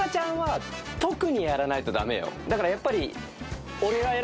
だからやっぱり。